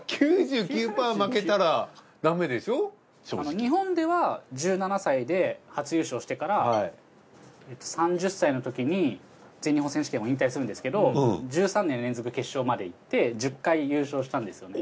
日本では１７歳で初優勝してから３０歳の時に全日本選手権を引退するんですけど１３年連続決勝までいって１０回優勝したんですよね。